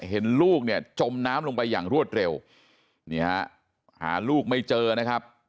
เห็นลูกจมน้ำลงไปอย่างรวดเร็วหาลูกไม่เจอนะครับ